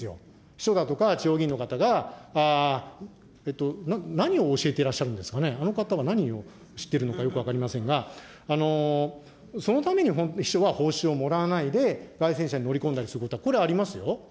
秘書だとか、地方議員の方が、何を教えてらっしゃるんですかね、あの方は何を知ってるのか、よく分かりませんが、そのために秘書は報酬をもらわないで、街宣車に乗り込んだりすることは、これ、ありますよ。